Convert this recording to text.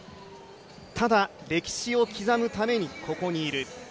ただ、歴史を刻むためにここにいる。